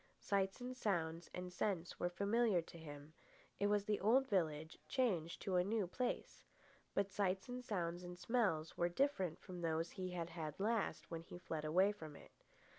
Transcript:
Sights and sounds and scents were familiar to him. It was the old village changed to a new place. But sights and sounds and smells were different from those he had last had when he fled away from it.